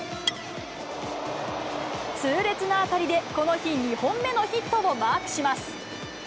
痛烈な当たりで、この日、２本目のヒットをマークします。